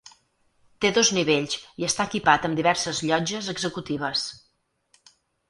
Té dos nivells i està equipat amb diverses llotges executives.